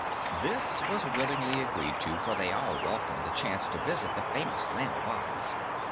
This was willingly agreed to, for they all welcomed the chance to visit the famous Land of Oz.